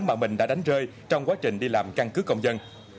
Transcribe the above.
mà mình đã đánh rơi trong quá trình đi làm căn cứ công dân